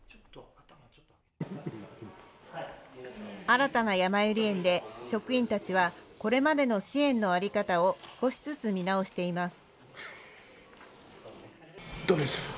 新たなやまゆり園で職員たちはこれまでの支援の在り方を少しずつ見直しています。